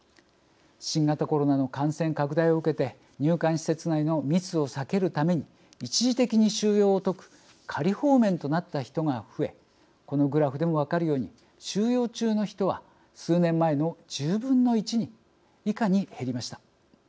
新型コロナの感染拡大を受けて入管施設内の密を避けるために一時的に収容を解く仮放免となった人が増えこのグラフでも分かるように収容中の人は数年前の１０分の１以下に減りました。